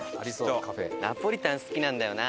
ナポリタン好きなんだよな。